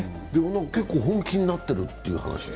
結構本気になっているという話です。